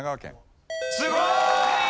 すごい！